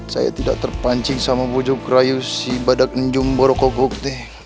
saya tidak terpancing sama bujuk rayu si badak enjung borokogok deh